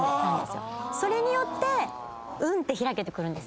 それによって運って開けてくるんです。